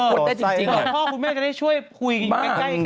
คุณแม่จะได้ช่วยคุยอยู่ใกล้กันไหม